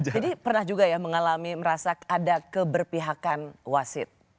jadi pernah juga ya mengalami merasa ada keberpihakan wasid